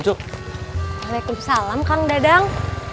waalaikumsalam kang dadang